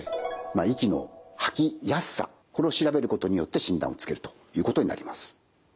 息の吐きやすさこれを調べることによって診断をつけるということになります。